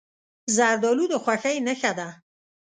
زردالو د خوښۍ نښه ده.